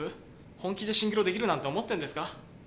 本気でシンクロできるなんて思ってんですか？